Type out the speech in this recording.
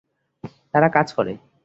তারা কাজ করে।